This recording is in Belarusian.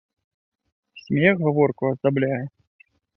Смех гаворку аздабляе